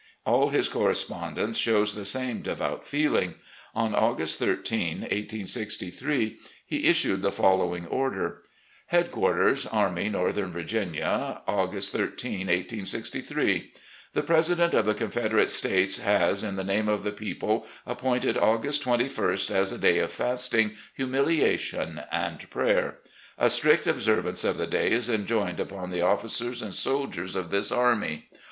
All his correspondence shows the same devout feeling. On August 13, 1863, he issued the following order: "Headquarters, Army Northern Virginia, "August 13, 1863. "The President of the Confederate States has, in the name of the people, appointed August 21st as a day of fasting, humiliation, and prayer. A strict observance of the day is enjoined upon the officers and soldiers of this army.